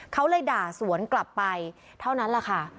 เขาเลยด่าสวนกลับไปเท่านั้นแหละค่ะ